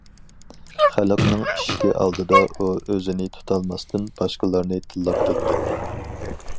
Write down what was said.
خەقنىڭ ئىشىكى ئالدىدا ئۇ ئۆزىنى تۇتالماستىن باشقىلارنى تىللاپ كەتكەن.